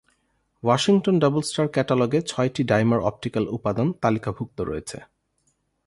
Washington double star ক্যাটালগে ছয়টি ডাইমার অপটিক্যাল উপাদান তালিকাভুক্ত রয়েছে।